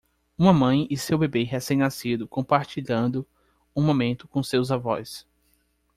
Uma mãe e seu bebê recém-nascido compartilhando um momento com seus avós.